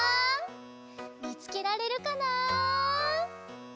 みつけられるかなあ？